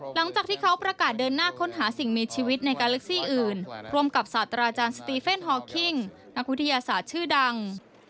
หลังจากที่เขาประกาศเดินหน้าค้นหาสิ่งมีชีวิตในการเล็กซี่อื่นร่วมกับศาสตราอาจารย์สตีเฟนฮอลคิงนักวิทยาศาสตร์ชื่อดัง